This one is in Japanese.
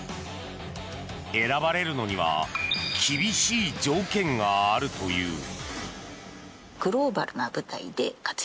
選ばれるのには厳しい条件があるという。